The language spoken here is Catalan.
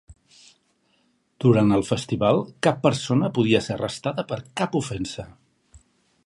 Durant el festival cap persona podia ser arrestada per cap ofensa.